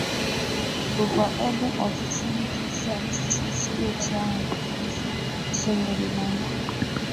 bụkwa ebe ọtụtụ ndị isi ọchịchị steeti ahụ sonyèrè na ya.